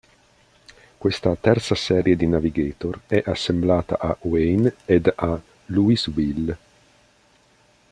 Questa terza serie di Navigator è assemblata a Wayne ed a Louisville.